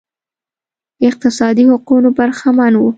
اقتصادي حقونو برخمن وو